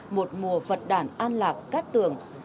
một mùa phật đản an lạc cắt tưởng